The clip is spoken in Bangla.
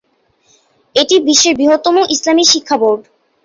এটি বিশ্বের বৃহত্তম ইসলামী শিক্ষা বোর্ড।